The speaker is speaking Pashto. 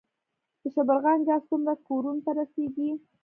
د شبرغان ګاز څومره کورونو ته رسیږي؟